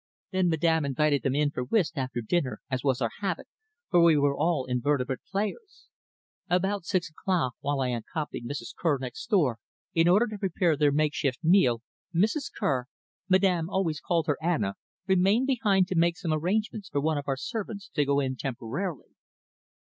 Then Madame invited them in for whist after dinner, as was our habit, for we were all inveterate players. About six o'clock, while I accompanied Mr. Kerr next door in order to prepare their makeshift meal, Mrs. Kerr Madame always called her Anna remained behind to make some arrangements for one of our servants to go in temporarily.